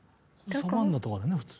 サバンナとかよね普通。